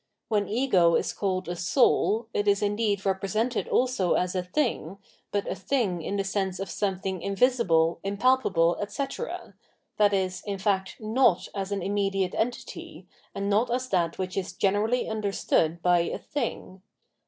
When ego is called a soul, it is indeed represented also as a thing, but a thing in the sense of something invisible, impalpable, etc., i.e. in fact not as an immediate entity, and not as that which is generally understood by a thing.